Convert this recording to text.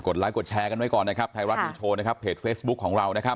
ไลค์กดแชร์กันไว้ก่อนนะครับไทยรัฐนิวโชว์นะครับเพจเฟซบุ๊คของเรานะครับ